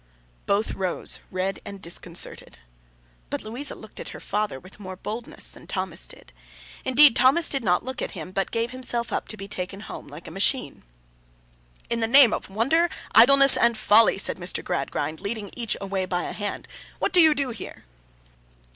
Both rose, red and disconcerted. But, Louisa looked at her father with more boldness than Thomas did. Indeed, Thomas did not look at him, but gave himself up to be taken home like a machine. 'In the name of wonder, idleness, and folly!' said Mr. Gradgrind, leading each away by a hand; 'what do you do here?